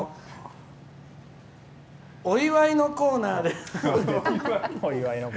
お祝いのコーナーです。